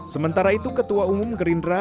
sementara itu ketua umum gerindra